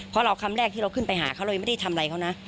เพราะเราคำแรกที่เราขึ้นไปหาเขาเลยไม่ได้ทำอะไรเขานะ